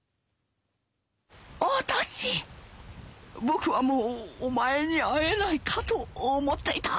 僕はもうお前に逢えないかと思っていた」。